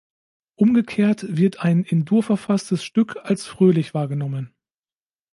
Umgekehrt wird ein in Dur verfasstes Stück als „fröhlich“ wahrgenommen.